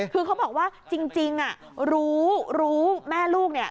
คือเขาบอกว่าจริงรู้รู้แม่ลูกเนี่ย